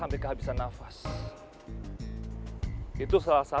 oh terima kasih voor perhatianmu wally